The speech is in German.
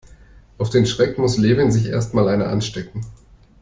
Auf den Schreck muss Levin sich erst mal eine anstecken.